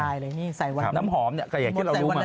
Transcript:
อายะนี่ใส่หวานน้ำหอมใส่วันลิตร